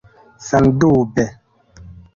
Sendube!